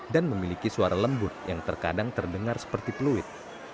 dan memiliki suara lembut yang terkadang terdengar seperti fluid